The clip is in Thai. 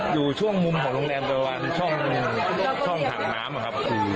อยู่ช่วงมุมของแรงกระวันช่องถ่างน้ำครับ